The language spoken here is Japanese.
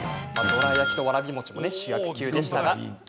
どら焼きとわらび餅も主役級でした。